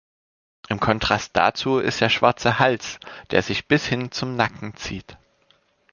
Im Kontrast dazu ist der schwarze Hals, der sich bis hin zum Nacken zieht.